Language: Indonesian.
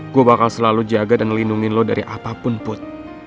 gue bakal selalu jaga dan melindungi lo dari apapun put